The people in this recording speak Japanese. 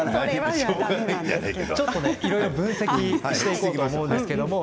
いろいろ分析していこうと思います。